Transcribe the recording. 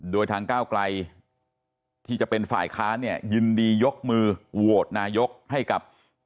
โดยทางก้าวไกลที่จะเป็นฝ่ายค้านเนี่ยยินดียกมือโหวตนายกให้กับ